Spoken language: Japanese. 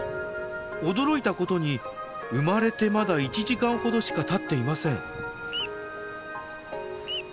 驚いたことに生まれてまだ１時間ほどしかたっていません。